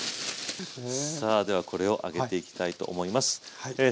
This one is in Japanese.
さあではこれを揚げていきたいと思います。